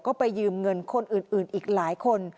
ก็ไปยืมเงินคนอื่นอีกหลายคน